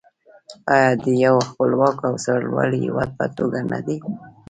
آیا د یو خپلواک او سرلوړي هیواد په توګه نه دی؟